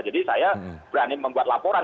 jadi saya berani membuat laporan